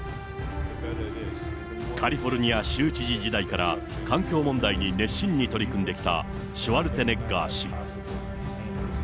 カリフォルニア州知事時代から環境問題に熱心に取り組んできたシュワルツェネッガー氏。